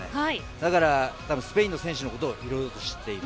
だから、スペインの選手のことをいろいろと知っている。